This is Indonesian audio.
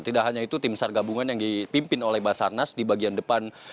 tidak hanya itu tim sar gabungan yang dipimpin oleh basarnas di bagian depan